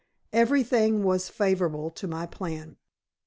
Everything was favorable to my plan.